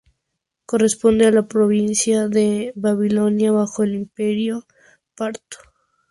Corresponde a la provincia de Babilonia bajo el Imperio parto.